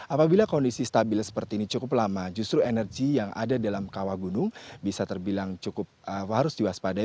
apabila kondisi stabil seperti ini cukup lama justru energi yang ada dalam kawah gunung bisa terbilang cukup harus diwaspadai